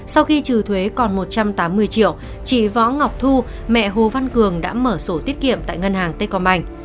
sau khi trừ thuế còn một trăm tám mươi triệu chị võ ngọc thu mẹ hồ văn cường đã mở sổ tiết kiệm tại ngân hàng tết còn bành